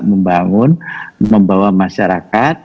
membangun membawa masyarakat